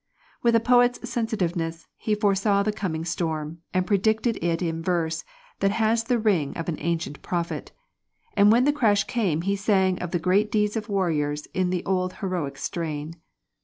With a poet's sensitiveness he foresaw the coming storm, and predicted it in verse that has the ring of an ancient prophet; and when the crash came he sang of the great deeds of warriors in the old heroic strain.